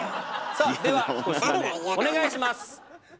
さあでは１品目お願いします。